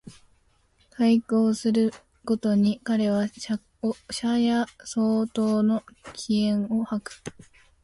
邂逅する毎に彼は車屋相当の気焔を吐く